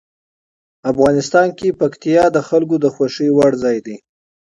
افغانستان کې پکتیا د خلکو د خوښې وړ ځای دی.